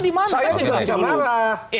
tadi salahnya di mana saya jelas dulu